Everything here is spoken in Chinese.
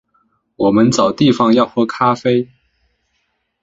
我们找地方要喝咖啡